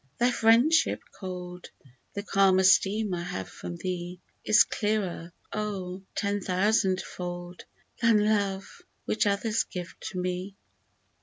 Thy friendship cold — The calm esteem I have from thee, Is dearer, oh ! ten thousand fold, Than Love, which others give to me